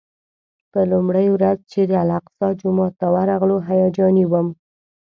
په لومړۍ ورځ چې د الاقصی جومات ته ورغلو هیجاني وم.